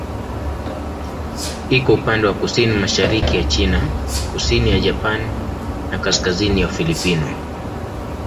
Iko upande wa kusini-mashariki ya China, kusini ya Japani na kaskazini ya Ufilipino.